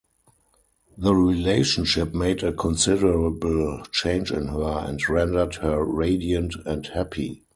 The relationship made a considerable change in her, and rendered her radiant and happy.